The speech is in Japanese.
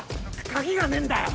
鍵がねぇんだよ！